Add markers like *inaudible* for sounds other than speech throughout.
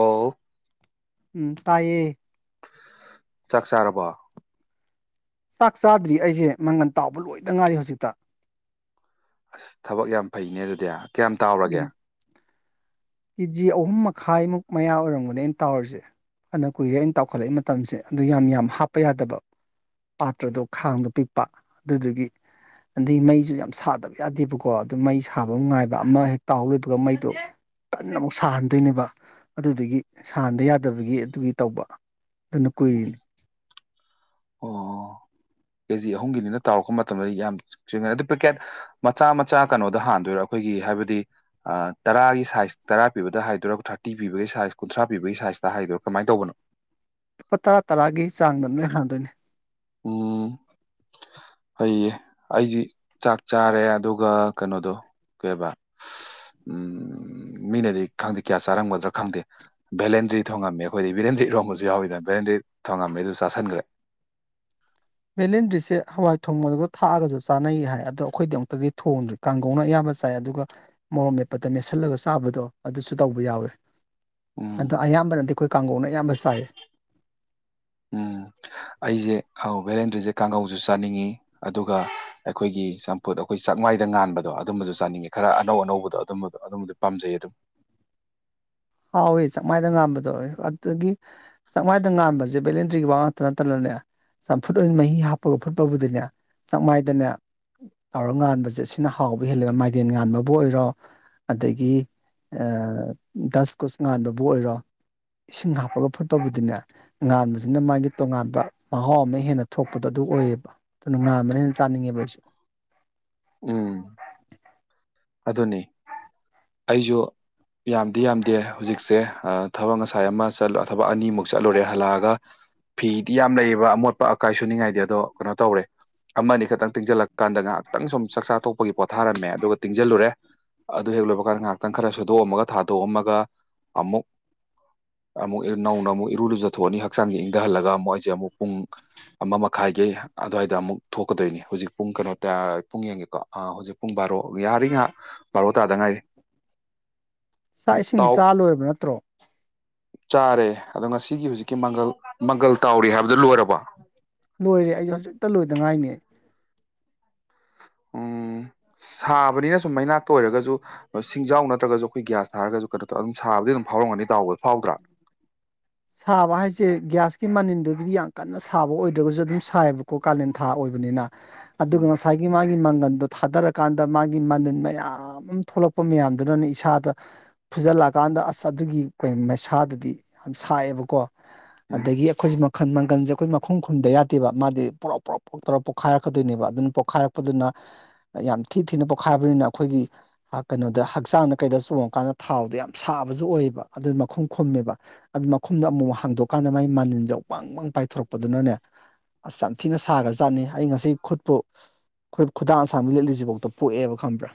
ꯍꯥꯜꯂꯣ ꯎꯝ ꯇꯥꯏꯌꯦ ꯆꯥꯛ ꯆꯥꯔꯕꯣ ꯆꯥꯛ ꯆꯥꯗ꯭ꯔꯤ ꯑꯩꯁꯦ ꯃꯪꯒꯟ ꯇꯥꯎꯕ ꯂꯣꯏꯗ ꯉꯥꯏꯔꯤ ꯍꯧꯖꯤꯛꯇ ꯑꯁ ꯊꯕꯛ ꯌꯥꯝ ꯐꯩꯅꯦ ꯑꯗꯨꯗꯤ ꯀꯌꯥꯝ ꯇꯥꯎꯔꯒꯦ ꯎꯝ ꯀꯦꯖꯤ ꯑꯍꯨꯝ ꯃꯈꯥꯏꯃꯨꯛ ꯃꯌꯥ ꯑꯣꯏꯔꯝꯒꯅꯦ ꯑꯩꯅ ꯇꯧꯔꯤꯁꯦ ꯐꯅ ꯀꯨꯏꯔꯦ ꯑꯩꯅ ꯇꯥꯎꯈꯠꯂꯛꯏ ꯃꯇꯝꯁꯦ ꯑꯗꯨ ꯌꯥꯝ ꯌꯥꯝ ꯍꯥꯞꯄ ꯌꯥꯗꯕ ꯄꯥꯇ꯭ꯔꯗꯣ ꯈꯥꯡꯗꯣ ꯄꯤꯛꯄ ꯑꯗꯨꯗꯨꯒꯤ ꯑꯗꯩꯩ ꯃꯩꯁꯨ ꯌꯥꯝ ꯁꯥꯗꯕ ꯌꯥꯗꯦꯕꯀꯣ ꯑꯗꯨ ꯃꯩ ꯁꯥꯕ ꯉꯥꯏꯕ ꯑꯃ ꯍꯦꯛ ꯇꯥꯍꯧꯔꯦ ꯑꯗꯨꯒ ꯃꯩꯗꯣ ꯀꯟꯅ ꯑꯃꯨꯛ ꯁꯥꯍꯟꯗꯣꯏꯅꯦꯕ ꯑꯗꯨꯗꯒꯤ ꯁꯥꯍꯟꯗ ꯌꯥꯗꯕꯒꯤ ꯑꯗꯨꯒꯤ ꯇꯧꯕ ꯑꯗꯨꯅ ꯎꯝ ꯀꯨꯏꯔꯤꯅꯤ ꯑꯣ ꯀꯦꯖꯤ ꯑꯍꯨꯝꯒꯤꯅꯤꯅ ꯇꯥꯎꯔꯛꯄ ꯃꯇꯝꯗꯗꯤ ꯌꯥꯝ *unintelligible* ꯄꯦꯛꯀꯦꯠ ꯃꯆꯥ ꯃꯆꯥ ꯀꯩꯅꯣꯗ ꯍꯥꯟꯗꯣꯏꯔꯥ ꯑꯩꯈꯣꯏꯒꯤ ꯍꯥꯏꯕꯗꯤ ꯑꯥ ꯇꯔꯥꯒꯤ ꯁꯥꯏꯖ ꯇꯔꯥ ꯄꯤꯕꯗ ꯍꯥꯏꯗꯣꯏꯔꯥ ꯊꯥꯔꯇꯤ ꯄꯤꯕꯒꯤ ꯁꯥꯏꯖ ꯀꯨꯟꯊ꯭ꯔꯥ ꯄꯤꯕꯒꯤ ꯁꯥꯏꯖꯇ ꯍꯥꯏꯗꯣꯏꯔꯥ ꯀꯃꯥꯏꯅ ꯇꯧꯕꯅꯣ ꯂꯨꯄꯥ ꯇꯔꯥ ꯇꯔꯥꯒꯤ ꯆꯥꯡꯗ ꯅꯣꯏ ꯍꯥꯡꯗꯣꯏꯅꯦ ꯎꯝ ꯍꯩꯌꯦ ꯑꯩꯗꯤ ꯆꯥꯛ ꯆꯥꯔꯦ ꯑꯗꯨꯒ ꯀꯩꯅꯣꯗꯣ ꯀꯣꯏꯕ ꯎꯝ ꯃꯤꯅꯗꯤ ꯈꯪꯗꯦ ꯀꯌꯥ ꯆꯥꯔꯝꯒꯗ꯭ꯔꯥ ꯈꯪꯗꯦ ꯚꯂꯦꯟꯗ꯭ꯔꯤ ꯊꯣꯡꯉꯝꯃꯦ ꯑꯩꯈꯣꯏꯗꯤ ꯚꯂꯦꯟꯗ꯭ꯔꯤ ꯏꯔꯣꯡꯕꯁꯨ ꯌꯥꯎꯋꯗ ꯚꯂꯦꯟꯗ꯭ꯔꯤ ꯊꯉꯝꯃꯤ ꯑꯗꯨ ꯆꯥꯁꯟꯈ꯭ꯔꯦ ꯕꯦꯂꯦꯟꯗ꯭ꯔꯤꯁꯦ ꯍꯋꯥꯏ ꯊꯣꯡꯕꯗꯨꯗ ꯊꯥꯛꯑꯒꯁꯨ ꯆꯥꯅꯩ ꯍꯥꯏ ꯑꯗꯣ ꯑꯩꯈꯣꯏꯗꯤ ꯑꯃꯨꯛꯇꯗꯤ ꯊꯣꯡꯗ꯭ꯔꯤ ꯀꯥꯡꯒꯧꯅ ꯑꯌꯥꯕ ꯆꯥꯏ ꯑꯗꯨꯒ ꯃꯣꯔꯣ ꯃꯦꯞꯄꯠꯇ ꯃꯦꯠꯁꯤꯜꯂꯒ ꯆꯥꯕꯗꯣ ꯑꯗꯨꯁꯨ ꯇꯧꯕ ꯌꯥꯎꯋꯤ ꯎꯝ ꯑꯗꯣ ꯑꯌꯥꯝꯕꯅꯗꯤ ꯑꯩꯈꯣꯏ ꯀꯥꯡꯒꯧꯅ ꯑꯌꯥꯝꯕ ꯆꯥꯏ ꯎꯝ ꯑꯩꯁꯦ ꯚꯦꯂꯦꯟꯗ꯭ꯔꯤꯁꯦ ꯀꯥꯡꯒꯧꯁꯨ ꯆꯥꯅꯤꯡꯉꯤ ꯑꯗꯨꯒ ꯑꯩꯈꯣꯏꯒꯤ ꯁꯝꯐꯨꯠ ꯑꯩꯈꯣꯏ ꯆꯃꯥꯏꯗ ꯉꯥꯟꯕꯗꯣ ꯑꯗꯨꯝꯕꯁꯨ ꯆꯥꯅꯤꯡꯉꯦ ꯈꯔ ꯑꯅꯧ ꯑꯅꯧꯕꯗꯣ ꯑꯗꯨꯝꯕꯗꯣ ꯑꯗꯨꯝꯕꯗ ꯄꯥꯝꯖꯩ ꯑꯗꯨꯝ ꯍꯥꯎꯏ ꯆꯞ ꯃꯥꯏꯅ ꯉꯥꯝꯕꯗꯣ ꯑꯗꯨꯗꯒꯤ ꯆꯥꯛ ꯃꯥꯏꯗ ꯉꯥꯟꯕꯁꯦ ꯕꯦꯂꯦꯟꯇ꯭ꯔꯤꯒꯤ ꯋꯥ ꯉꯥꯛꯇ ꯅꯠꯇꯅꯅꯦ ꯆꯝꯐꯨꯠ ꯑꯣꯏꯅ ꯃꯍꯤ ꯍꯥꯞꯄꯒ ꯐꯨꯠꯄꯕꯨꯗꯨꯅꯦ ꯆꯥꯡ ꯃꯥꯏꯗꯅ ꯇꯧꯔ ꯉꯥꯟꯕꯁꯦ ꯁꯤꯅ ꯍꯥꯎꯕ ꯍꯦꯜꯂꯦꯕ ꯃꯥꯏꯗꯦꯟ ꯉꯥꯟꯕꯕꯨ ꯑꯣꯏꯔꯣ ꯑꯗꯒꯤ ꯗꯁ ꯀꯨꯁ ꯉꯥꯟꯕꯕꯨ ꯑꯣꯏꯔꯣ ꯏꯁꯤꯡ ꯍꯥꯞꯄꯒ ꯐꯨꯠꯄꯕꯨꯗꯤꯅꯦ ꯉꯥꯟꯕꯕꯁꯤꯅ ꯃꯥꯒꯤ ꯇꯣꯉꯥꯟꯕ ꯃꯍꯥꯎ ꯑꯃ ꯍꯦꯟꯅ ꯊꯣꯛꯄꯗꯣ ꯑꯗꯨ ꯑꯣꯏꯌꯦꯕ ꯅꯨꯡꯉꯥꯕꯅꯦ ꯍꯅ ꯆꯥꯅꯤꯡꯉꯦꯕ ꯑꯩꯁꯦ ꯎꯝ ꯑꯗꯨꯅꯤ ꯑꯩꯁꯨ ꯌꯥꯝꯗꯤ ꯌꯥꯝꯗꯦ ꯍꯧꯖꯤꯛꯁꯦ ꯊꯕꯛ ꯉꯁꯥꯏ ꯑꯃꯂ ꯊꯕꯛ ꯑꯅꯤꯃꯨꯛ ꯆꯠꯂꯨꯔꯦ ꯍꯜꯂꯛꯑꯒ ꯐꯤꯗꯤ ꯌꯥꯝ ꯂꯩꯌꯦꯕ ꯑꯃꯣꯠꯄ ꯑꯀꯥꯏ ꯁꯨꯅꯤꯡꯉꯥꯏꯗꯤ ꯑꯗꯣ ꯀꯩꯅꯣ ꯇꯧꯋꯦ ꯑꯃꯅꯤ ꯈꯛꯇꯪ ꯇꯤꯡꯁꯤꯜꯂꯛꯀꯥꯟꯗ ꯉꯥꯏꯍꯥꯛꯇꯪ ꯁꯨꯝ ꯆꯥꯛ ꯆꯆꯥꯊ ꯊꯣꯛꯄꯒꯤ ꯄꯣꯊꯥꯔꯝꯃꯦ ꯑꯗꯨꯒ ꯇꯤꯡꯁꯤꯜꯂꯨꯔꯦ ꯑꯗꯨ ꯍꯦꯛ ꯂꯣꯏꯕ ꯀꯥꯟꯗ ꯉꯥꯏꯍꯥꯛꯇꯪ ꯈꯔ ꯁꯣꯏꯗꯣꯛꯑꯝꯃꯒ ꯊꯥꯗꯣꯛꯑꯝꯃꯒ ꯑꯃꯨꯛ ꯑꯃꯨꯛ ꯅꯧꯅ ꯑꯃꯨꯛ ꯏꯔꯨ ꯂꯨꯖ ꯊꯣꯛꯑꯅꯤ ꯍꯛꯆꯥꯡꯁꯦ ꯏꯪꯊꯍꯜꯂꯒ ꯑꯃꯨꯛ ꯑꯩꯁꯦ ꯑꯃꯨꯛ ꯄꯨꯡ ꯑꯃ ꯃꯈꯥꯏꯒꯤ ꯑꯗꯨꯋꯥꯏꯗ ꯑꯃꯨꯛ ꯊꯣꯛꯀꯗꯣꯏꯅꯤ ꯍꯧꯖꯤꯛ ꯄꯨꯡ ꯀꯩꯅꯣ ꯇ ꯄꯨꯡ ꯌꯦꯡꯉꯦꯀꯣ ꯍꯧꯖꯤꯛ ꯄꯨꯡ ꯕꯥꯔꯣ ꯌꯥꯔꯤ ꯉꯍꯥꯛ ꯕꯥꯥꯔꯣ ꯇꯥꯗ ꯉꯥꯏꯔꯤ ꯆꯥꯛ ꯏꯁꯤꯡꯗꯤ ꯇꯥꯎ ꯆꯥ ꯂꯣꯏꯔꯕ ꯅꯠꯇ꯭ꯔꯣ ꯆꯥꯔꯦ ꯑꯗꯣ ꯉꯁꯤꯒꯤ ꯍꯧꯖꯤꯛꯀꯤ ꯃꯪꯒꯜ ꯃꯪꯒꯜ ꯇꯥꯎꯔꯤ ꯍꯥꯏꯕꯗꯨ ꯂꯣꯏꯔꯕ ꯂꯣꯏꯔꯦ ꯑꯩꯁꯨ ꯍꯧꯖꯤꯛꯇ ꯂꯣꯏꯗꯉꯥꯏꯅꯦ ꯎꯝ ꯁꯥꯕꯅꯤꯅ ꯁꯨꯝ ꯃꯩꯅꯥ ꯇ ꯑꯣꯏꯔꯒꯁꯨ ꯁꯤꯡꯖꯥꯎ ꯅꯠꯇ꯭ꯔꯁꯨ ꯑꯩꯈꯣꯏ ꯒ꯭ꯌꯥꯁ ꯊꯥꯔꯒꯁꯨ ꯀꯩꯅꯣ ꯇꯧ ꯑꯗꯨꯝ ꯁꯥꯕꯗꯤ ꯑꯗꯨꯝ ꯐꯥꯎꯔꯝꯒꯅꯤ ꯇꯥꯎꯕꯗ ꯐꯥꯎꯗ꯭ꯔꯥ ꯁꯥꯕ ꯍꯥꯏꯁꯦ ꯒ꯭ꯌꯥꯁꯀꯤ ꯃꯅꯤꯟꯗꯨꯕꯨꯗꯤ ꯌꯥꯝ ꯀꯟꯅ ꯁꯥꯕ ꯑꯣꯏꯗ꯭ꯔꯒꯁꯨ ꯑꯗꯨꯝ ꯁꯥꯏꯕꯀ ꯀꯣ ꯀꯥꯂꯦꯟ ꯊꯥ ꯑꯣꯏꯕꯅꯤꯅ ꯑꯗꯨꯒ ꯎꯝ ꯉ ꯉꯁꯥꯏꯒꯤ ꯃꯥꯒꯤ ꯃꯪꯒꯟꯗꯣ ꯊꯥꯗꯔꯀꯥꯟꯗ ꯃꯥꯒꯤ ꯃꯅꯤꯟ ꯃꯌꯥꯝ ꯃꯌꯥꯝ ꯑꯃ ꯊꯣꯛꯂꯛꯄ ꯃꯌꯥꯝꯗꯨꯅꯅ ꯏꯁꯥꯗ ꯐꯨꯖꯜꯂꯛꯑꯀꯥꯟꯗ ꯑꯁ ꯑꯗꯨꯒꯤ ꯀꯩꯅꯣ ꯃꯩꯁꯥꯗꯨꯗꯤ ꯁꯥꯏꯑꯦꯕꯀꯣ ꯎꯝ ꯑꯗꯒꯤ ꯑꯩꯈꯣꯏꯁꯦ ꯃꯄꯥꯜ ꯈꯟ ꯃꯪꯒꯜꯁꯦ ꯑꯩꯈꯣꯏ ꯃꯈꯨꯝ ꯈꯨꯟꯗ ꯌꯥꯗꯦꯕ ꯃꯥꯗꯤ ꯄꯣꯔꯣꯛ ꯄꯣꯔꯣꯛ ꯄꯣꯔꯣꯛ ꯇꯧꯔꯒ ꯄꯣꯛꯈꯥꯏꯔꯛꯀꯗꯣꯏꯅꯦꯕ ꯑꯗꯨꯅ ꯄꯣꯛꯈꯥꯏꯔꯛꯄꯗꯨꯅ ꯌꯥꯝ ꯊꯤ ꯊꯤꯅ ꯄꯣꯛꯈꯥꯏꯕꯅꯤꯅ ꯑꯩꯈꯣꯏꯒꯤ ꯀꯩꯅꯣꯗ ꯍꯛꯆꯥꯡꯗ ꯀꯩꯗ ꯆꯣꯡꯉꯀꯥꯟꯗ ꯊꯥꯎꯗꯣ ꯌꯥꯝ ꯁꯥꯕꯁꯨ ꯑꯣꯏꯌꯦꯕ ꯑꯗꯨꯢ ꯃꯈꯨꯝ ꯈꯨꯝꯃꯦꯕ ꯑꯗꯨ ꯃꯈꯨꯝꯗꯣ ꯑꯃꯨꯃꯨꯛ ꯍꯥꯡꯗꯣꯛꯀꯥꯟꯗ ꯃꯥꯏ ꯃꯥ ꯖꯧ ꯄꯪ ꯄꯪ ꯄꯥꯏꯊꯣꯔꯛꯄꯗꯨꯅꯅꯦ ꯑꯁ ꯌꯥꯝꯊꯤꯅ ꯁꯥꯒꯔꯥꯖꯠꯅꯤ ꯑꯩ ꯉꯁꯤ ꯈꯨꯠꯄꯨ ꯑꯩꯈꯣꯏ ꯈꯨꯗꯥꯡ ꯑꯁꯥꯡꯒꯤ ꯂꯦꯠꯂꯤꯁꯤꯐꯥꯎꯗ ꯄꯣꯛꯑꯦꯕ ꯈꯪꯕ꯭ꯔꯥ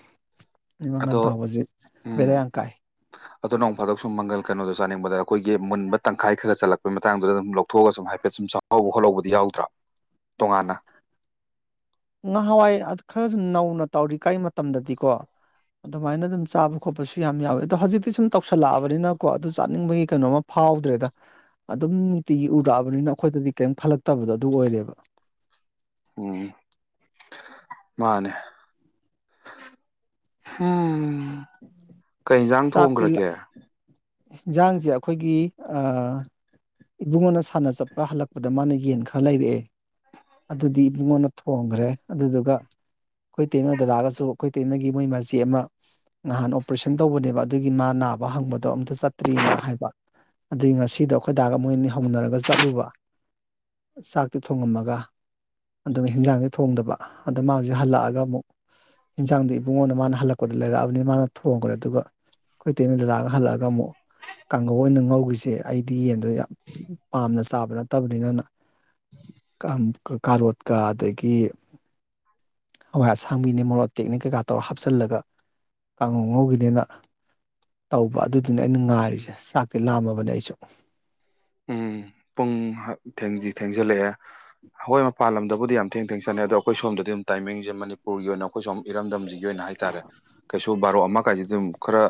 ꯑꯩ ꯑꯗꯣ ꯃꯪꯒꯟ ꯇꯥꯎꯕꯁꯦ ꯎꯝ ꯕꯦꯔꯥ ꯌꯥꯝ ꯀꯥꯏ ꯑꯗꯣ ꯅꯣꯡ ꯐꯥꯗꯣꯛ ꯁꯨꯝ ꯃꯪꯒꯜ ꯀꯩꯅꯣꯗ ꯆꯅꯤꯡꯕꯗ ꯑꯩꯈꯣꯏꯒꯤ ꯃꯨꯟꯕ ꯇꯪꯈꯥꯏ ꯈꯔ ꯆꯠꯂꯛꯄꯒꯤ ꯃꯇꯥꯡꯗꯨꯗ ꯑꯗꯨꯝ ꯂꯧꯊꯣꯛꯑꯒ ꯁꯨꯝ ꯍꯥꯏ ꯍꯥꯏꯐꯦꯠ ꯁꯨꯝ ꯆꯥꯎꯍꯧꯕ ꯈꯣꯠꯍꯧꯕꯗꯤ ꯌꯥꯎꯗ꯭ꯔꯥ ꯇꯣꯉꯥꯟꯅ ꯉꯍꯥꯟꯋꯥꯏ ꯈꯔ ꯅꯧꯅ ꯇꯧꯔꯤ ꯀꯥꯟ ꯃꯇꯝꯗꯗꯤꯀꯣ ꯑꯗꯨꯃꯥꯏꯅ ꯑꯗꯨꯝ ꯆꯥꯕ ꯈꯣꯠꯄꯁꯨ ꯌꯥꯝ ꯌꯥꯎꯋꯦ ꯑꯗꯣ ꯍꯧꯖꯤꯛꯇꯤ ꯁꯨꯝ ꯇꯧꯁꯜꯂꯛꯑꯕꯅꯤꯅꯀꯣ ꯑꯗꯨ ꯆꯥꯅꯤꯡꯕꯒꯤ ꯀꯩꯅꯣꯃ ꯐꯥꯎꯗ꯭ꯔꯦꯗ ꯑꯗꯨꯝ ꯅꯨꯡꯇꯤꯒꯤ ꯎꯔꯛꯑꯕꯅꯤꯅ ꯑꯩꯈꯣꯏꯗꯗꯤ ꯀꯔꯤꯝ ꯈꯜꯂꯛꯇꯕꯗꯣ ꯑꯗꯨ ꯑꯣꯏꯔꯦꯕ ꯎꯝ ꯃꯥꯅꯦ ꯎꯝ ꯀꯩ ꯏꯟꯖꯥꯡ ꯆꯥꯛꯇꯤ ꯂ ꯊꯣꯡꯒ꯭ꯔꯒꯦ ꯏꯟꯁꯥꯡꯁꯦ ꯑꯩꯈꯣꯏꯒꯤ ꯑꯥ ꯏꯕꯨꯡꯉꯣꯅ ꯁꯥꯟꯅ ꯆꯠꯄꯒ ꯍꯜꯂꯛꯄꯗ ꯃꯥꯅ ꯌꯦꯟ ꯈꯔ ꯂꯩꯔꯛꯑꯦ ꯑꯗꯨꯗꯤ ꯢꯕꯨꯡꯉꯣꯟꯅ ꯊꯣꯡꯈ꯭ꯔꯦ ꯑꯗꯨꯗꯨꯒ ꯑꯩꯈꯣꯏ ꯢꯇꯩꯃ ꯗꯗꯥꯒꯁꯨ ꯑꯩꯈꯣꯏ ꯢꯇꯨꯃꯒꯤ ꯃꯣꯏ ꯃꯆꯦ ꯑꯃ ꯅꯍꯥꯟ ꯑꯣꯄꯔꯦꯁꯟ ꯇꯧꯕꯅꯦꯕ ꯑꯗꯨꯒꯤ ꯃꯥ ꯅꯥꯕ ꯍꯪꯕꯗꯣ ꯑꯝꯇ ꯆꯠꯇ꯭ꯔꯤꯑꯦꯅ ꯍꯥꯏꯕ ꯑꯗꯨꯏ ꯉꯁꯤꯗꯣ ꯑꯩꯈꯣꯏꯗꯥꯒ ꯃꯣꯏ ꯑꯅꯤ ꯍꯧꯅꯔꯒ ꯆꯠꯂꯨꯕ ꯆꯥꯛꯇꯣ ꯊꯣꯡꯉꯝꯃꯒ ꯑꯗꯨꯒ ꯍꯤꯟꯖꯥꯡꯁꯦ ꯊꯣꯡꯗꯕ ꯑꯗꯣ ꯃꯥꯁꯦ ꯍꯜꯂꯛꯑꯒ ꯑꯃꯨꯛ ꯌꯦꯟꯖꯥꯡꯗ ꯏꯕꯨꯡꯉꯣꯗ ꯃꯥꯅ ꯍꯜꯂꯛꯄꯗ ꯂꯩꯔꯛꯑꯕꯅꯤꯅ ꯃꯥꯅ ꯊꯣꯡꯈ꯭ꯔꯦ ꯑꯗꯨꯒ ꯑꯩꯈꯣꯏ ꯏꯇꯩꯃꯥ ꯗꯥꯗꯒꯥ ꯍꯜꯂꯛꯑꯒ ꯑꯃꯨꯛ ꯀꯥꯡꯒꯧ ꯑꯣꯏꯅ ꯉꯧꯈꯤꯁꯦ ꯑꯩꯗꯤ ꯌꯦꯟꯗꯣ ꯌꯥꯝ ꯄꯥꯝꯅ ꯆꯥꯕ ꯅꯠꯇꯕꯅꯤꯅꯅ ꯀꯥꯔꯣꯠꯀ ꯑꯗꯒꯤ ꯍꯋꯥꯏ ꯑꯁꯥꯡꯕꯤꯅꯦ ꯃꯣꯔꯣꯛ ꯑꯇꯦꯛꯅꯦ ꯀꯩꯀꯥ ꯇꯧꯔ ꯍꯥꯞꯆꯤꯜꯂꯒ ꯀꯥꯡꯉꯧ ꯉꯧꯈꯤꯅꯦꯅ ꯇꯧꯕ ꯑꯗꯨꯗꯨꯅꯦ ꯑꯩꯅ ꯉꯥꯏꯔꯤꯁꯦ ꯆꯥꯛꯇꯤ ꯂꯥꯝꯃꯕꯅꯦ ꯑꯩꯁꯨ ꯎꯝ ꯄꯨꯡ ꯊꯦꯡꯗꯤ ꯊꯦꯡꯖꯤꯜꯂꯛꯑꯦ ꯍꯣꯏ ꯃꯄꯥꯟ ꯂꯝꯗꯕꯨꯗꯤ ꯌꯥꯝ ꯊꯦꯡ ꯊꯦꯡ ꯆꯅꯩ ꯑꯗꯣ ꯑꯩꯈꯣꯏ ꯁꯣꯝꯗꯗꯤꯝ ꯇꯥꯏꯃꯤꯡꯁꯦ ꯃꯅꯤꯄꯨꯔꯒꯤ ꯑꯣꯏꯅ ꯑꯩꯈꯣꯏ ꯁꯣꯝ ꯏꯔꯝꯗꯝꯁꯤꯒꯤ ꯑꯣꯏꯅ ꯍꯥꯏꯇꯥꯔꯦ ꯀꯩꯁꯨ ꯇꯨ ꯕꯥꯔꯣ ꯑꯃ ꯀꯥꯏꯁꯤꯗꯤ ꯑꯗꯨꯝ ꯈꯔ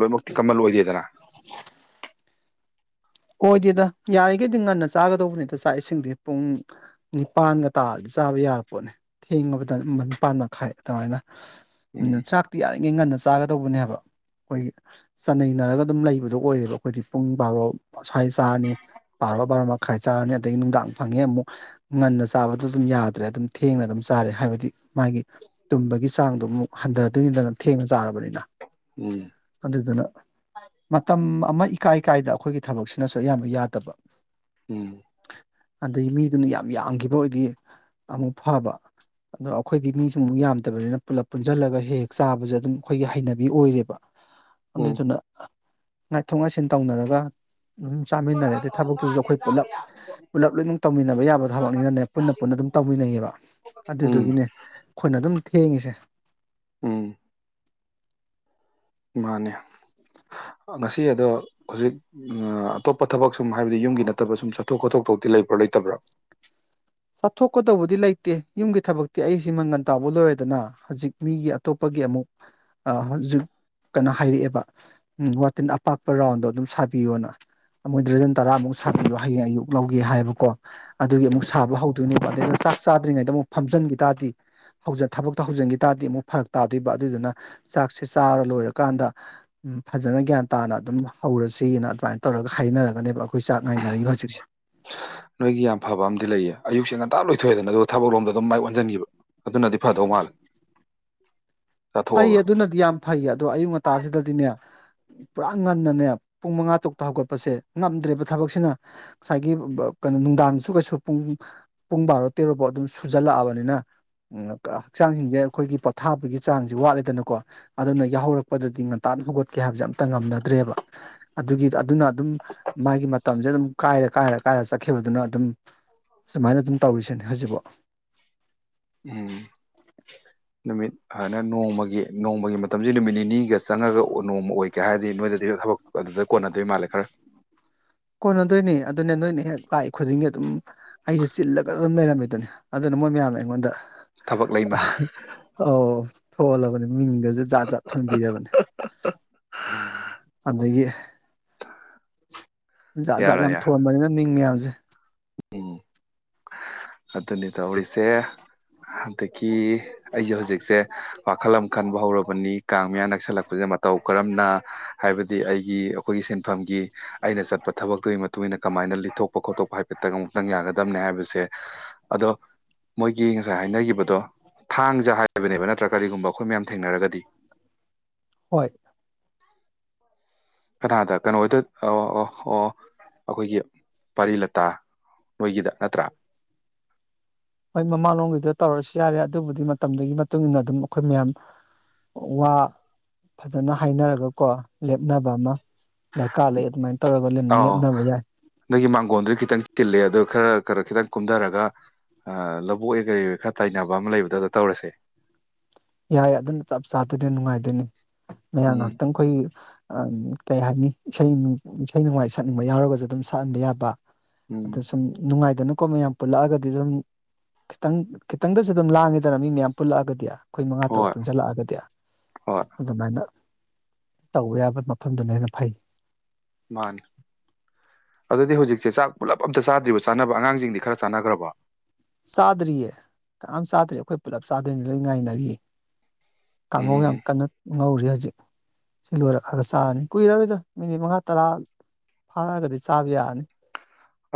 ꯂꯣꯏꯅꯃꯛꯇꯤ ꯀꯃꯟ ꯑꯣꯏꯗꯦꯗꯅ ꯑꯣꯏꯗꯦꯗ ꯌꯥꯔꯤꯈꯩꯗꯤ ꯉꯟꯅ ꯆꯥꯒꯗꯧꯕꯅꯤꯗ ꯆꯥꯛ ꯏꯁꯤꯡꯗꯤ ꯄꯨꯡ ꯅꯤꯄꯥꯟꯒ ꯇꯥꯔꯗꯤ ꯆꯥꯕ ꯌꯥꯔ ꯄꯣꯠꯅꯦ ꯊꯦꯡꯉꯕꯗ ꯅꯤꯄꯥꯜ ꯃꯈꯥꯏ ꯑꯗꯨꯃꯥꯏꯅ ꯎꯝ ꯆꯥꯛꯇꯤ ꯌꯥꯔꯤꯉꯩ ꯉꯟꯅ ꯆꯥꯒꯗꯧꯕꯅꯦ ꯍꯥꯢꯕ ꯑꯩꯈꯣꯏꯒꯤ ꯆꯠꯟꯅꯩꯅꯔꯒ ꯑꯗꯨꯝ ꯂꯩꯕꯗꯣ ꯑꯣꯏꯔꯦꯕ ꯑꯩꯈꯣꯏꯗꯤ ꯄꯨꯡ ꯕꯥꯔꯣ ꯑꯁ꯭ꯋꯥꯏ ꯆꯥꯔꯅꯤ ꯄꯥꯔꯣ ꯕꯥꯔꯣ ꯃꯈꯥꯏ ꯆꯥꯔꯅꯤ ꯑꯗꯒꯤ ꯅꯨꯡꯗꯥꯡ ꯐꯪꯉꯦ ꯑꯃꯨꯛ ꯉꯟꯅ ꯆꯥꯕꯗ ꯑꯗꯨꯝ ꯌꯥꯗ꯭ꯔꯦ ꯑꯗꯨꯝ ꯊꯦꯡꯅ ꯑꯗꯨꯝ ꯆꯥꯔꯦ ꯍꯥꯏꯕꯗꯤ ꯃꯥꯒꯤ ꯇꯨꯝꯕꯒꯤ ꯆꯥꯡꯗꯨ ꯑꯃꯨꯛ ꯍꯟꯊꯔꯗꯣꯏꯅꯤꯗꯅ ꯊꯦꯡꯅ ꯆꯥꯔꯕꯅꯤꯅ ꯎꯝ ꯑꯗꯨꯗꯨꯅ ꯃꯇꯝ ꯑꯃ ꯏꯀꯥꯏ ꯀꯥꯏꯗ ꯑꯩꯈꯣꯏꯒꯤ ꯊꯕꯛꯁꯤꯅꯁꯨ ꯑꯌꯥꯝꯕ ꯌꯥꯗꯕ ꯎꯝ ꯑꯗꯩꯩ ꯃꯤꯗꯨꯅ ꯌꯥꯝ ꯌꯥꯝꯈꯤꯕ ꯑꯣꯏꯗꯤ ꯑꯃꯨꯛ ꯐꯕ ꯑꯗꯣ ꯑꯩꯈꯣꯏꯗꯤ ꯃꯤꯁꯨꯃꯨꯛ ꯌꯥꯝꯗꯕꯅꯤꯅ ꯄꯨꯂꯞ ꯄꯨꯟꯁꯤꯜꯂꯒ ꯍꯦꯛ ꯍꯦꯛ ꯆꯥꯕꯁꯦ ꯑꯗꯨꯝ ꯑꯩꯈꯣꯏꯒꯤ ꯍꯩꯅꯕꯤ ꯑꯣꯏꯔꯦꯕ *inaudible* ꯑꯗꯨꯗꯨꯅ ꯉꯥꯏꯊꯣꯛ ꯉꯥꯏꯁꯤꯟ ꯇꯧꯅꯔꯒ ꯑꯗꯨꯝ ꯆꯥꯃꯤꯟꯅꯔꯦ ꯑꯗꯩ ꯊꯕꯛꯇꯨꯁꯨ ꯑꯩꯈꯣꯏ ꯄꯨꯂꯞ ꯄꯨꯂꯞ ꯂꯣꯏꯅꯃꯛ ꯇꯧꯃꯤꯟꯅꯕ ꯌꯥꯕ ꯊꯕꯛꯅꯤꯅꯅꯦ ꯄꯨꯟꯅ ꯄꯨꯟꯅ ꯑꯗꯨꯝ ꯇꯧꯃꯤꯟꯅꯩꯌꯦꯕ ꯎꯝ ꯑꯗꯨꯗꯨꯒꯤꯅꯦ ꯑꯩꯈꯣꯏꯅ ꯑꯗꯨꯝ ꯊꯦꯡꯉꯤꯁꯦ ꯎꯝ ꯃꯥꯅꯦ ꯉꯁꯤ ꯑꯗꯣ ꯍꯧꯖꯤꯛ ꯎꯝ ꯑꯇꯣꯞꯄ ꯊꯕꯛ ꯁꯨꯝ ꯍꯥꯏꯕꯗꯤ ꯌꯨꯝꯒꯤ ꯅꯠꯇꯕ ꯁꯨꯝ ꯆꯠꯊꯣꯛ ꯈꯣꯊꯣꯛ ꯊꯣꯛꯇꯤ ꯂꯩꯕ꯭ꯔꯥ ꯂꯩꯇꯕ꯭ꯔ‌ꯣ ꯆꯥꯊꯣꯛꯀꯗꯧꯕꯗꯤ ꯂꯩꯇꯦ ꯌꯨꯝꯒꯤ ꯊꯕꯛꯇꯤ ꯑꯩꯁꯤ ꯃꯪꯒꯟ ꯇꯥꯕ ꯂꯣꯏꯔꯗꯅ ꯍꯧꯖꯤꯛ ꯃꯤꯒꯤ ꯑꯇꯣꯞꯄꯒꯤ ꯑꯃꯨꯛ ꯍꯧꯖꯤꯛ ꯀꯩꯅꯣ ꯍꯥꯏꯔꯛꯑꯦꯕ ꯎꯝ ꯋꯥꯇꯤꯟ ꯑꯄꯥꯛꯄ ꯔꯥꯎꯟꯗꯣ ꯑꯗꯨꯝ ꯁꯥꯕꯤꯌꯣꯅ ꯃꯣꯏ ꯗ꯭ꯔꯦꯖꯟ ꯇꯔꯥꯃꯨꯛ ꯁꯥꯕꯤꯌꯣ ꯍꯌꯦꯡ ꯑꯌꯨꯛ ꯂꯧꯒꯦ ꯍꯥꯏꯕꯀꯣ ꯑꯗꯨꯒꯤ ꯑꯃꯨꯛ ꯁꯥꯕ ꯍꯧ ꯑꯗꯨꯅꯦꯕ ꯑꯗꯩꯗꯨ ꯆꯥꯛ ꯆꯥꯗ꯭ꯔꯤꯉꯩꯗ ꯑꯃꯨꯛ ꯐꯝꯖꯤꯟꯈꯤ ꯇꯥꯔꯗꯤ ꯊꯕꯛꯇ ꯍꯧꯖꯤꯟꯈꯤ ꯇꯥꯔꯗꯤ ꯑꯃꯨꯛ ꯐꯔꯛ ꯇꯥꯗꯣꯏꯕ ꯑꯗꯨꯗꯨꯅ ꯆꯥꯛꯁꯦ ꯆꯥꯔ ꯂꯣꯏꯔꯀꯥꯟꯗ ꯎ ꯐꯖꯅ ꯒ꯭ꯌꯥꯟ ꯇꯥꯅ ꯑꯗꯨꯝ ꯍꯧꯔꯁꯤꯅ ꯑꯗꯨꯃꯥꯏꯅ ꯇꯧꯔꯒ ꯍꯥꯏꯅꯔꯒꯅꯦꯕ ꯑꯩꯈꯣꯏ ꯆꯥꯛ ꯉꯥꯏꯅꯔꯤꯕ ꯍꯧꯖꯤꯛꯁꯦ ꯅꯣꯏꯒꯤ ꯌꯥꯝ ꯐꯕ ꯑꯃꯗꯤ ꯂꯩꯌꯦ ꯑꯌꯨꯛꯁꯦ ꯉꯟꯇꯥ ꯂꯣꯏꯊꯣꯛꯑꯦꯗꯅ ꯑꯗꯨꯣ ꯊꯕꯛ ꯂꯣꯝꯗ ꯑꯗꯨꯝ ꯃꯥꯏ ꯑꯣꯟꯁꯤꯟꯒꯤꯕꯥ ꯑꯗꯨꯅꯗꯤ ꯐꯗꯧ ꯃꯥꯜꯂꯦ ꯐꯩꯌꯦ ꯆꯥꯊꯣꯛꯑꯒ ꯑꯗꯨꯅꯗꯤ ꯌꯥꯝ ꯐꯩꯌꯦ ꯑꯗꯣ ꯑꯌꯨꯛ ꯉꯟꯇꯥꯁꯤꯗꯗꯤꯅꯦ ꯄꯨꯔꯥ ꯉꯟꯅꯅꯦ ꯄꯨꯡ ꯃꯉꯥ ꯇꯔꯨꯛꯇ ꯍꯧꯒꯠꯄꯁꯦ ꯉꯝꯗ꯭ꯔꯦꯕ ꯊꯕꯛꯁꯤꯅ ꯁꯥꯏꯒꯤ ꯎꯝꯕꯥꯥ ꯀꯩꯅꯣ ꯅꯨꯡꯗꯥꯡꯒꯤꯁꯨ ꯀꯩꯁꯨ ꯄꯨꯡ ꯄꯨꯡ ꯕꯥꯔꯣ ꯇꯦꯔꯣꯕꯥꯎ ꯑꯗꯨꯝ ꯁꯨꯖꯜꯂꯛꯑꯕꯅꯤꯅ ꯎꯝ ꯀꯥ ꯍꯛꯆꯥꯡꯁꯤꯡꯁꯦ ꯑꯩꯈꯣꯏꯒꯤ ꯄꯣꯊꯥꯕꯒꯤ ꯆꯥꯡ ꯋꯥꯠꯂꯦꯗꯅꯀꯣ ꯑꯗꯨꯅ ꯌꯥꯎꯍꯧꯔꯛꯄꯗꯗꯤ ꯉꯟꯇꯥ ꯍꯧꯒꯠꯀꯦ ꯍꯥꯏꯕꯁꯦ ꯑꯝꯇꯥ ꯉꯝꯅꯗ꯭ꯔꯦꯕ ꯑꯗꯨꯒꯤ ꯑꯗꯨꯅ ꯑꯗꯨꯝ ꯃꯥꯒꯤ ꯃꯇꯝꯁꯦ ꯑꯗꯨꯝ ꯀꯥꯏꯔ ꯀꯥꯏꯔ ꯀꯥꯏꯔ ꯆꯠꯈꯤꯕꯗꯨꯅ ꯑꯗꯨꯝ ꯁꯨꯃꯥꯏꯅ ꯑꯗꯨꯝ ꯇꯧꯔꯤꯁꯤꯅꯦ ꯍꯧꯖꯤꯕꯣ ꯎꯝ ꯅꯨꯃꯤꯠ ꯐꯥꯅ ꯅꯣꯡꯃꯒꯤ ꯅꯣꯡꯃꯒꯤ ꯃꯇꯝꯁꯤ ꯅꯨꯃꯤꯠ ꯅꯤꯅꯤꯒ ꯆꯪꯉꯒ ꯅꯣꯡꯃ ꯑꯣꯏꯒꯦ ꯍꯥꯏꯔꯗꯤ ꯅꯣꯏꯗꯗꯤ ꯊꯕꯛ ꯑꯗꯨꯗ ꯀꯣꯟꯅꯗꯣꯏ ꯃꯥꯜꯂꯦ ꯈꯔ ꯀꯣꯟꯅꯗꯣꯏꯅꯦ ꯑꯗꯨꯅꯦ ꯅꯣꯏꯅꯦ ꯍꯦꯛ ꯇꯥꯛꯏ ꯈꯨꯗꯤꯡꯒꯤ ꯑꯗꯨꯝ ꯑꯩꯁꯦ ꯆꯤꯜꯂꯒ ꯑꯗꯨꯝ ꯂꯩꯔꯝꯃꯦꯗꯥꯅ ꯑꯗꯨꯅ ꯃꯣꯏ ꯃꯌꯥꯝꯅ ꯑꯩꯉꯣꯟꯗ ꯊꯕꯛ ꯂꯩꯃꯥ ꯑꯣ ꯊꯣꯜꯂꯕꯅꯦ ꯃꯤꯡꯒꯖꯦ ꯖꯥꯠ ꯖꯥꯠ ꯊꯣꯟꯕꯤꯔꯥꯕꯅꯦ ꯑꯗꯒꯤ ꯖꯥꯠ ꯖꯥꯠ ꯌꯥꯝ ꯊꯣꯟꯕꯅꯤꯅ ꯃꯤꯡ ꯃꯌꯥꯝꯁꯦ ꯎꯝ ꯑꯗꯨꯅꯤ ꯇꯧꯔꯤꯁꯦ ꯍꯟꯗꯛꯀꯤ ꯑꯩꯁꯦ ꯍꯧꯖꯤꯛꯁꯦ ꯋꯥꯈꯜ ꯑꯃ ꯈꯟꯕ ꯍꯧꯔꯕꯅꯤ ꯀꯥꯡ ꯃꯌꯥ ꯅꯛꯁꯜꯂꯛꯄꯁꯦ ꯃꯇꯧ ꯀꯔꯝꯅ ꯍꯥꯏꯕꯗꯤ ꯑꯩꯒꯤ ꯑꯩꯈꯣꯏꯒꯤ ꯁꯤꯟꯐꯝꯒꯤ ꯑꯩꯅ ꯆꯠꯄ ꯊꯕꯛꯇꯨꯒꯤ ꯃꯇꯨꯡ ꯏꯟꯅ ꯀꯃꯥꯏꯅ ꯂꯤꯊꯣꯛꯄ ꯈꯣꯠꯇꯣꯛꯄ ꯍꯥꯏꯕ ꯇꯥꯒꯨꯝꯃꯨꯛꯇꯪ ꯌꯥꯒꯗꯝꯕꯅꯦ ꯍꯥꯏꯕꯁꯦ ꯑꯗꯣ ꯃꯣꯏꯒꯤ ꯉꯁꯥꯏ ꯍꯥꯏꯅꯈꯤꯕꯗꯣ ꯊꯥꯡꯖꯥ ꯍꯥꯏꯕꯅꯦꯕ ꯅꯠꯇ꯭ꯔꯥ ꯀꯔꯤꯒꯨꯝꯕ ꯑꯩꯈꯣꯏ ꯃꯌꯥꯝ ꯊꯦꯡꯅꯔꯒꯗꯤ ꯍꯣꯏ ꯀꯊꯥꯗ ꯀꯩꯅꯣꯈꯣꯏꯗꯥ ꯑꯣ ꯑꯣ ꯑꯣ ꯑꯩꯈꯣꯏꯒꯤ ꯄꯥꯔꯤ ꯂꯇꯥ ꯅꯣꯏꯒꯤꯗ ꯅꯠꯇ꯭ꯔꯥ ꯍꯣꯏ ꯃꯃꯥꯂꯣꯝꯒꯤꯗꯥ ꯇꯧꯔꯁꯨ ꯌꯥꯔꯦ ꯑꯗꯨꯕꯨꯗꯤ ꯃꯇꯝꯗꯨꯒꯤ ꯃꯇꯨꯡꯏꯟꯅ ꯑꯗꯨꯝ ꯑꯩꯈꯣꯏ ꯃꯌꯥꯝ ꯋꯥ ꯐꯖꯅ ꯍꯥꯏꯅꯔꯒ ꯀꯣ ꯂꯦꯞꯅꯕ ꯑꯃ ꯗꯔꯀꯥꯔ ꯂꯩ ꯑꯗꯨꯃꯥꯏꯅ ꯇꯧꯔꯒ ꯑꯥꯎ ꯂꯦꯞꯅꯕ ꯌꯥꯏ ꯅꯣꯏꯒꯤ ꯃꯥꯡꯒꯣꯟꯗꯨ ꯈꯤꯇꯪ ꯇꯤꯜꯂꯦ ꯑꯗꯣ ꯈꯔ ꯈꯔ ꯈꯤꯇꯪ ꯀꯨꯝꯊꯔꯒ ꯑꯥ ꯂꯧꯕꯨꯛꯑꯣꯏ ꯀꯔꯤ ꯑꯣꯏ ꯈꯔ ꯇꯥꯏꯅꯕ ꯑꯃ ꯂꯩꯕꯗꯣ ꯑꯥꯗꯥ ꯇꯧꯔꯁꯦ ꯌꯥꯏ ꯑꯗꯨꯅ ꯆꯞ ꯆꯥꯗꯗꯤꯅꯦ ꯅꯨꯡꯉꯥꯏꯗꯣꯏꯅꯦ ꯃꯌꯥꯝ ꯎꯝ ꯉꯍꯥꯛꯇꯪ ꯑꯩꯈꯣꯏꯒꯤ ꯑꯡ ꯀꯩ ꯍꯥꯏꯅꯤ ꯏꯁꯩꯒꯤ ꯏꯁꯩ ꯅꯣꯡꯃꯥꯏ ꯁꯛꯅꯤꯡꯕ ꯌꯥꯎꯔꯒꯁꯨ ꯑꯗꯨꯝ ꯁꯛꯍꯟꯕ ꯌꯥꯕ ꯑꯗ ꯎꯝ ꯁꯨꯝ ꯅꯨꯡꯉꯥꯏꯗꯅꯀꯣ ꯃꯌꯥꯝ ꯄꯨꯜꯂꯛꯑꯒꯗꯤ ꯑꯗꯨꯝ ꯈꯤꯇꯪ ꯈꯤꯇꯪꯗꯁꯨ ꯑꯗꯨꯝ ꯂꯥꯡꯉꯦꯗꯅ ꯃꯤ ꯃꯌꯥꯝ ꯄꯨꯜꯂꯛꯑꯥꯒꯗꯤ ꯑꯩꯈꯣꯏ ꯃꯉꯥ ꯇꯔꯨꯛ ꯍꯣꯏ ꯄꯨꯟꯁꯤꯜꯂꯛꯑꯥꯒꯗꯤ ꯍꯣꯏ ꯑꯗꯨꯃꯥꯏꯅ ꯇꯧꯕ ꯌꯥꯕ ꯃꯐꯝꯗꯨꯅ ꯍꯦꯟꯅ ꯐꯩ ꯃꯥꯅꯤ ꯑꯗꯨꯗꯤ ꯍꯧꯖꯤꯛꯁꯦ ꯆꯥꯛ ꯄꯨꯜꯂꯞ ꯑꯝꯇꯥ ꯆꯥꯗ꯭ꯔꯤꯕꯣ ꯆꯥꯅꯕ ꯑꯉꯥꯡꯁꯤꯡꯗꯤ ꯈꯔ ꯆꯥꯅꯥꯈ꯭ꯔꯕꯣ ꯆꯥꯗ꯭ꯔꯤꯌꯦ ꯀꯅꯥꯝ ꯆꯥꯗ꯭ꯔꯤ ꯑꯩꯈꯣꯏ ꯄꯨꯂꯞ ꯆꯥꯗꯣꯏꯅꯤ ꯂꯣꯏ ꯉꯥꯏꯅꯔꯤ ꯀꯥꯡꯉꯧ ꯌꯥꯝ ꯎꯝ ꯀꯟꯅ ꯉꯧꯔꯤ ꯍꯧꯖꯤꯛ ꯁꯤ ꯂꯣꯏꯔꯛꯑꯒ ꯆꯥꯔꯅꯤ ꯀꯨꯏꯔꯔꯣꯏꯗ ꯃꯤꯅꯤꯠ ꯃꯉꯥ ꯇꯔꯥ ꯐꯥꯔꯛꯑꯒꯗꯤ ꯆꯥꯕꯥꯥ ꯌꯥꯔꯅꯤ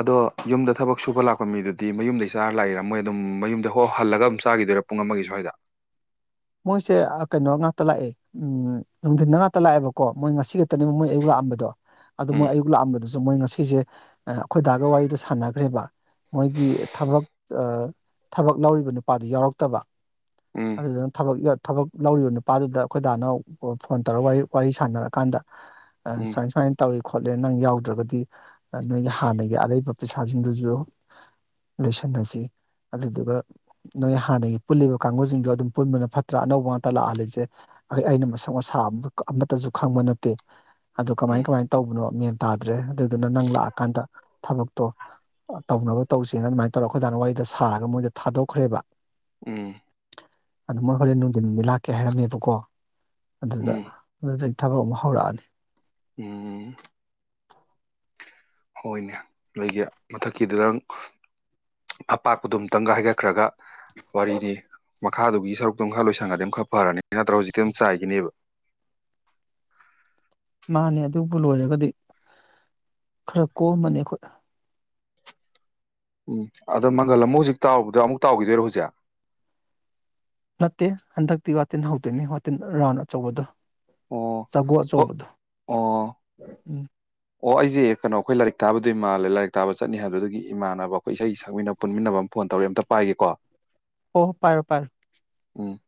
ꯑꯗꯣ ꯌꯨꯝꯗ ꯊꯕꯛ ꯁꯨꯕ ꯂꯥꯛꯄ ꯃꯤꯗꯨꯗꯤ ꯃꯌꯨꯝꯗꯩꯩ ꯆꯥꯔ ꯂꯥꯛꯏꯔꯥ ꯃꯣꯏ ꯑꯗꯨꯝ ꯃꯌꯨꯝꯗ ꯍꯣ ꯍꯜꯂꯒ ꯑꯗꯨꯝ ꯆꯥꯈꯤꯗꯣꯏꯔꯥ ꯄꯨꯡ ꯑꯃꯒꯤ ꯁꯨꯋꯥꯏꯗ ꯃꯣꯏꯁꯦ ꯀꯩꯅꯣ ꯉꯥꯛꯇ ꯂꯥꯛꯑꯦ ꯎꯝ ꯅꯨꯡꯊꯤꯟꯗ ꯉꯥꯛꯇ ꯂꯥꯛꯑꯦꯕꯀꯣ ꯃꯣꯏ ꯉꯁꯤ ꯇꯅꯨ ꯃꯣꯏ ꯑꯌꯨꯛ ꯂꯥꯛꯑꯝꯕꯗꯣ ꯑꯥꯗꯣ ꯃꯣꯏ ꯎꯝ ꯑꯌꯨꯛ ꯂꯥꯛꯑꯝꯕ ꯖꯨꯝ ꯃꯣꯏ ꯉꯁꯤꯁꯦ ꯑꯩꯈꯣꯏ ꯗꯥꯒ ꯋꯥꯔꯤꯗꯣ ꯁꯥꯟꯅꯈ꯭ꯔꯦꯕꯥꯥ ꯃꯣꯏꯒꯤ ꯊꯕꯛ ꯑꯥ ꯊꯕꯛ ꯂꯧꯔꯤꯕ ꯅꯨꯄꯥꯗꯨ ꯌꯥꯎꯔꯛꯇꯕ ꯎꯝ ꯑꯗꯨꯗꯨꯅ ꯊꯕꯛꯌꯦꯠ ꯊꯕꯛ ꯂꯧꯔꯤꯕ ꯅꯨꯄꯥꯗꯨꯗ ꯑꯩꯈꯣꯏꯗꯥꯅ ꯐꯣꯟ ꯇꯧꯔꯒ ꯋꯥꯔꯤ ꯋꯥꯔꯤ ꯁꯥꯟꯅꯔꯀꯥꯟꯗ ꯎꯝ *unintelligible* ꯇꯧꯏ ꯈꯣꯠꯂꯦ ꯅꯪ ꯌꯥꯎꯗ꯭ꯔꯒꯗꯤ ꯅꯣꯏꯒꯤ ꯍꯥꯟꯅꯒꯤ ꯑꯔꯩꯕ ꯄꯩꯁꯥꯁꯤꯡꯗꯨꯁꯨ ꯂꯣꯏꯁꯟꯅꯁꯤ ꯑꯗꯨꯗꯨꯒ ꯅꯣꯏ ꯍꯥꯟꯅꯒꯤ ꯄꯨꯜꯂꯤꯕ ꯀꯥꯡꯒꯨꯁꯤꯡꯗꯨ ꯑꯗꯨꯝ ꯄꯨꯟꯕꯅ ꯐꯠꯇ꯭ꯔꯥ ꯑꯅꯧꯕ ꯉꯥꯛꯇ ꯂꯥꯛꯍꯜꯂꯤꯁꯦ ꯑꯩ ꯑꯩꯅ ꯃꯁꯥ ꯃꯁꯥ ꯑꯃ ꯑꯃꯠꯇꯁꯨ ꯈꯪꯕ ꯅꯠꯇꯦ ꯑꯗꯨ ꯀꯃꯥꯏ ꯎꯝ ꯀꯃꯥꯏꯅ ꯇꯧꯕꯅꯣ ꯃꯦꯟ ꯇꯥꯗ꯭ꯔꯦ ꯑꯗꯨꯗꯨꯅ ꯅꯪ ꯂꯥꯛꯑꯀꯥꯟꯗ ꯊꯕꯛꯇꯣ ꯇꯧꯅꯕ ꯇꯧꯁꯦꯅ ꯑꯗꯨꯃꯥꯏꯅ ꯇꯧꯔ ꯑꯩꯈꯣꯏꯗꯥꯅ ꯋꯥꯔꯤꯗ ꯁꯥꯔꯒ ꯃꯣꯏꯗ ꯊꯥꯗꯣꯛꯈ꯭ꯔꯦꯕ ꯎꯝ ꯑꯗꯨ ꯃꯣꯏ ꯍꯣꯔꯂꯦꯟ ꯅꯨꯡꯗꯤꯟ ꯅꯨꯡꯗꯤ ꯂꯥꯛꯀꯦ ꯍꯥꯏꯔꯝꯃꯦꯕꯀꯣ ꯑꯗꯨꯗ ꯎꯝ ꯑꯗꯨꯗꯩ ꯊꯕꯛ ꯑꯃ ꯍꯧꯔꯛꯑꯅꯤ ꯎꯝ ꯍꯣꯏꯅꯦ ꯅꯣꯏꯒꯤ ꯃꯊꯛꯀꯤꯗꯨꯗꯪ ꯑꯄꯥꯛꯄꯗꯣ ꯑꯨꯇꯪꯒ ꯍꯥꯏꯒꯠꯈ꯭ꯔꯒ ꯋꯥꯔꯤꯅꯤ ꯃꯈꯥꯗꯨꯒꯤ ꯁꯔꯨꯛꯇꯨ ꯃꯈꯥ ꯂꯣꯏꯁꯪꯉꯗꯤ ꯑꯃ ꯈꯔ ꯐꯔꯅꯤ ꯅꯠꯇ꯭ꯔꯒ ꯍꯧꯖꯤꯛꯇꯤ ꯑꯗꯨꯝ ꯆꯥꯏꯒꯤꯅꯦꯕ ꯃꯥꯅꯦ ꯑꯗꯨꯕꯨ ꯂꯣꯏꯔꯒꯗꯤ ꯈꯔ ꯀꯣꯝꯕꯅꯤ ꯑꯩꯈꯣꯏ ꯎꯝ ꯑꯗꯣ ꯃꯪꯒꯜ ꯑꯃꯨꯛ ꯍꯧꯖꯤꯛ ꯇꯥꯎꯔꯕꯗ꯭ꯔꯥ ꯑꯃꯨꯛ ꯇꯥꯎꯈꯤꯗꯣꯏꯔꯣ ꯍꯧꯖꯤꯛ ꯅꯠꯇꯦ ꯍꯟꯗꯛꯇꯤ ꯋꯥꯇꯤꯟ ꯍꯧꯗꯣꯏꯅꯤ ꯋꯥꯇꯤꯟ ꯔꯥꯎꯟ ꯑꯆꯧꯕꯗꯣ ꯑꯣ ꯆꯒꯣ ꯍꯣ ꯑꯥꯆꯧꯕꯗꯨ ꯑꯣ ꯎꯝ ꯑꯣ ꯑꯩꯁꯦ ꯀꯩꯅꯣ ꯑꯩꯈꯣꯏ ꯂꯥꯏꯔꯤꯛ ꯇꯥꯕꯗꯣꯏ ꯃꯥꯜꯂꯦ ꯂꯥꯏꯔꯤꯛ ꯇꯥꯕ ꯆꯠꯅꯤ ꯍꯥꯏꯕꯗꯨꯗꯒꯤ ꯏꯃꯥꯟꯅꯕ ꯑꯩꯈꯣꯏ ꯏꯁꯩ ꯁꯛꯃꯤꯟꯅ ꯄꯨꯟꯃꯤꯟꯅꯕ ꯑꯃ ꯐꯣꯟ ꯇꯧꯔꯦ ꯑꯝꯇ ꯄꯥꯏꯒꯦꯀꯣ ꯑꯣ ꯄꯥꯏꯔꯣ ꯄꯥꯏ ꯎꯝ